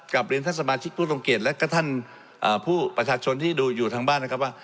กลับเรียนท่านสมาชิกผู้ทรงเกียจและก็ท่านผู้ประชาชนที่ดูอยู่ทางบ้านนะครับว่า